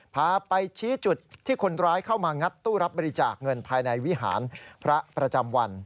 พาไปชี้จุดที่คนร้ายเข้ามางัดตู้รับบริจาคเงินภายในวิหารพระประจำวัน